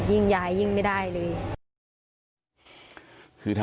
ยิ่งยายยิ่งไม่ได้เลย